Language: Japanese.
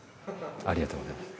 ありがとうございます。